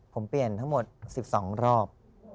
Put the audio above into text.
ผมเปลี่ยนทั้งหมด๑๒รอบ